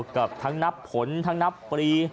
กับทั้งนับผลทั้งนับปรี